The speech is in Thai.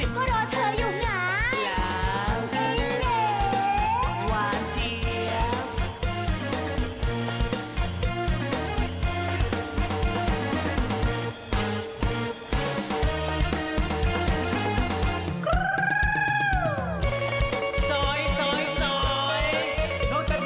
ก็รอเธออยู่ไง